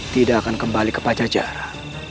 tidak akan kembali ke pajajara